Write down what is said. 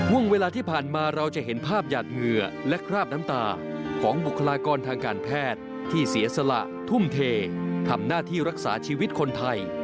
เวลาที่ผ่านมาเราจะเห็นภาพหยาดเหงื่อและคราบน้ำตาของบุคลากรทางการแพทย์ที่เสียสละทุ่มเททำหน้าที่รักษาชีวิตคนไทย